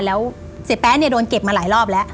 แล้วเสียแป๊ะเนี่ยโดนเก็บมาหลายรอบแล้ว